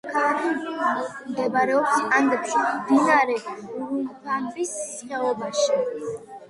ქალაქი მდებარეობს ანდებში, მდინარე ურუბამბის ხეობაში.